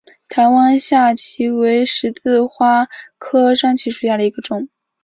台湾山荠为十字花科山荠属下的一个种。